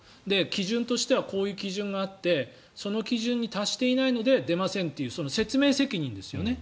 基準としてはこういう基準があってその基準に達していないので出ませんという説明責任ですよね。